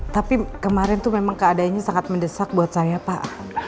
tapi kemarin tuh memang keadaannya sangat mendesak buat saya pak